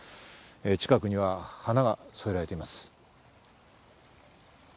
近くには花が添えられています。